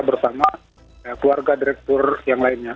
bersama keluarga direktur yang lainnya